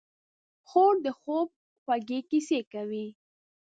خور د خوب خوږې کیسې کوي.